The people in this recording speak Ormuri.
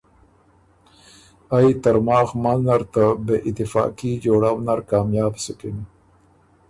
ائ ترماخ منځ نر ته بې اتفاقي جوړؤ نر کامیاب سُکِن۔